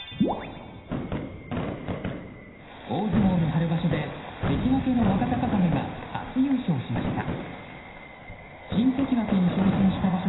大相撲の春場所で関脇の若隆景が初優勝しました。